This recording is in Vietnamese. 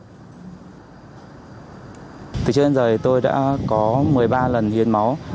từ trước đến giờ tôi đã có một mươi ba lần hiến máu